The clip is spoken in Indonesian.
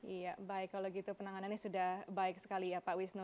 iya baik kalau gitu penanganannya sudah baik sekali ya pak wisnu